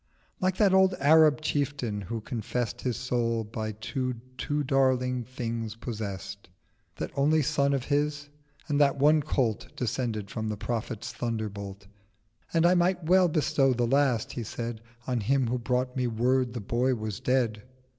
Like that old Arab Chieftain, who confess'd His soul by two too Darling Things possess'd— That only Son of his: and that one Colt Descended from the Prophet's Thunderbolt. "And I might well bestow the last," he said, 950 "On him who brought me Word the Boy was dead."